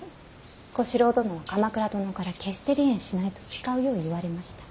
小四郎殿は鎌倉殿から決して離縁しないと誓うよう言われました。